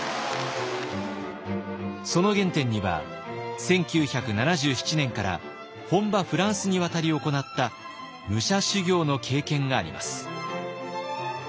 その原点には１９７７年から本場フランスに渡り行った武者修行の経験があります。